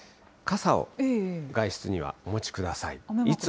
傘を外出にはお持ちください。